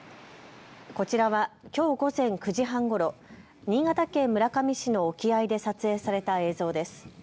こちらはきょう午前９時半ごろ、新潟県村上市の沖合で撮影された映像です。